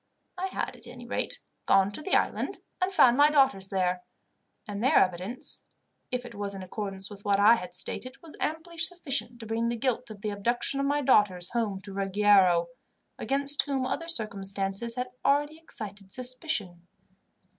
I had, at any rate, gone to the island and found my daughters there; and their evidence, if it was in accordance with what I had stated, was amply sufficient to bring the guilt of the abduction of my daughters home to Ruggiero, against whom other circumstances had already excited suspicion.